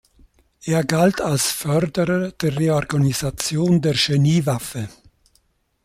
Er galt als Förderer der Reorganisation der Genie-Waffe.